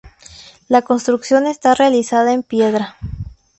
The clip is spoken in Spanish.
La construcción está realizada en piedra.